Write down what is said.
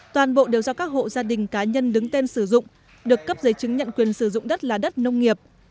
toàn bộ đều do các hộ gia đình cá nhân đứng tên sử dụng được cấp giấy chứng nhận quyền sử dụng đất là đất nông nghiệp